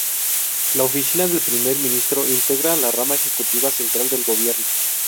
La oficina del primer ministro integra la rama ejecutiva central del gobierno.